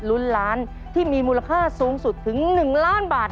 ลุ้นล้านที่มีมูลค่าสูงสุดถึง๑ล้านบาท